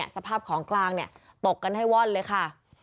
สภาพของกลางตกกันให้ว่อนเลยค่ะ